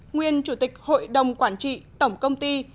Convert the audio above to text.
nguyên chủ tịch hội đồng quản trị tổng công ty